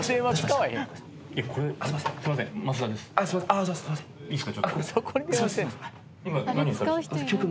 いいっすか？